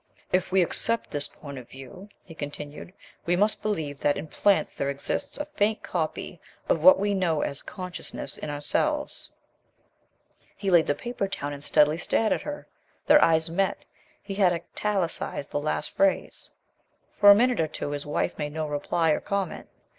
'"If we accept this point of view,'" he continued, '"we must believe that in plants there exists a faint copy of what we know as consciousness in ourselves .'" He laid the paper down and steadily stared at her. Their eyes met. He had italicized the last phrase. For a minute or two his wife made no reply or comment.